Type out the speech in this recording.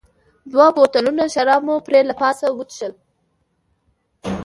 دوه بوتلونه شراب مو پرې له پاسه وڅښل.